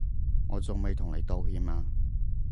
我仲未同你道歉啊